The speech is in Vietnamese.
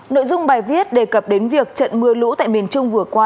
nội dung bài viết đề cập đến việc trận mưa lũ tại miền trung vừa qua